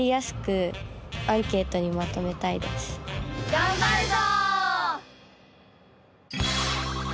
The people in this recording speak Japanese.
がんばるぞ！